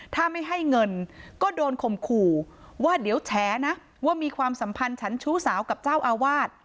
ถ้าไม่ให้เงินก็โดนข่มขู่ว่าเดี๋ยวแฉนะว่ามีความสัมพันธ์ฉันชู้สาวกับเจ้าอาวาส